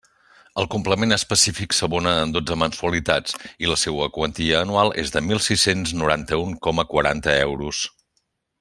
El complement específic s'abona en dotze mensualitats i la seua quantia anual és de mil sis-cents noranta-un coma quaranta euros.